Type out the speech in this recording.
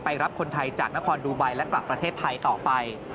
รับคนไทยจากนครดูไบและกลับประเทศไทยต่อไป